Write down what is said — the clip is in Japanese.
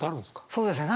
そうですね。